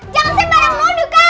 jangan sembarang nonduk kau